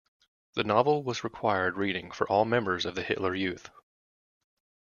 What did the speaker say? The novel was required reading for all members of the Hitler Youth.